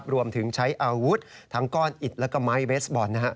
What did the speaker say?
รวมถึงใช้อาวุธทั้งก้อนอิดแล้วก็ไม้เบสบอล